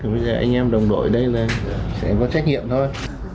bây giờ anh em đồng đội ở đây là sẽ có trách nhiệm thôi